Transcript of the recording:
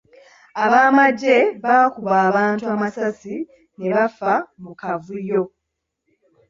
Ab'amagye bakuba abantu amasasi ne bafa mu kavuyo.